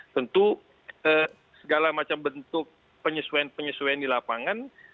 tentu segala macam bentuk penyesuaian penyesuaian di lapangan